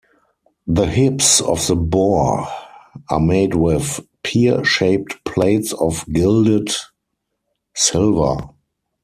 The hips of the boar are made with pear shaped plates of gilded silver.